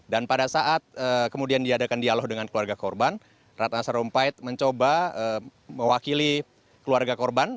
dan pada saat kemudian diadakan dialog dengan keluarga korban ratna sarumpait mencoba mewakili keluarga korban